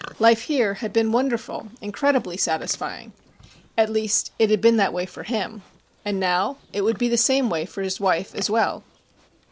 Life here had been wonderful, incredibly satisfying. At least it had been that way for him. And now it would be the same way for his wife as well.